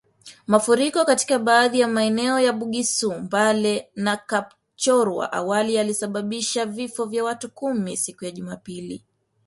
Mafuriko katika baadhi ya maeneo ya Bugisu Mbale na Kapchorwa awali yalisababisha vifo vya watu kumi siku ya Jumapili